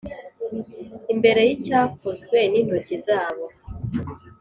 imbere y’icyakozwe n’intoki zabo.